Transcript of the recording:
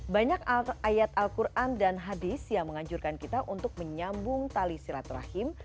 banyak ayat al quran dan hadis yang menganjurkan kita untuk menyambung tali silaturahim